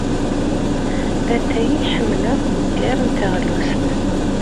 D atay ay ḥemmleɣ ugar n teɣlust.